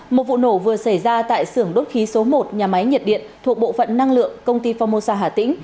một vụ nổ vừa xảy ra tại sưởng đốt khí số một nhà máy nhiệt điện thuộc bộ phận năng lượng công ty formosa hà tĩnh